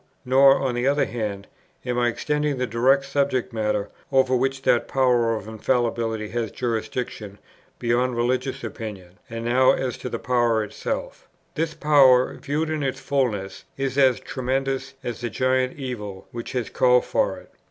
nor, on the other hand, am I extending the direct subject matter, over which that power of Infallibility has jurisdiction, beyond religious opinion: and now as to the power itself. This power, viewed in its fulness, is as tremendous as the giant evil which has called for it.